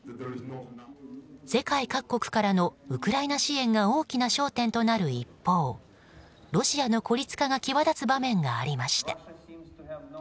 世界各国からのウクライナ支援が大きな焦点となる一方ロシアの孤立化が際立つ場面がありました。